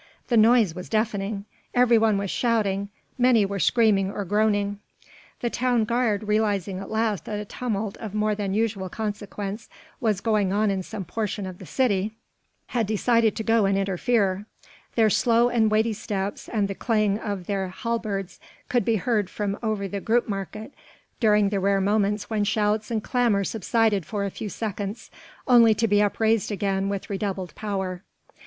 The noise was deafening. Every one was shouting, many were screaming or groaning. The town guard, realizing at last that a tumult of more than usual consequence was going on in some portion of the city, had decided to go and interfere; their slow and weighty steps and the clang of their halberds could be heard from over the Grootemarkt during the rare moments when shouts and clamour subsided for a few seconds only to be upraised again with redoubled power.